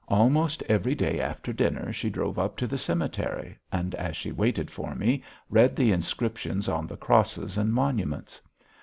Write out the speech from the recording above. Almost every day, after dinner, she drove up to the cemetery and, as she waited for me, read the inscriptions on the crosses and monuments.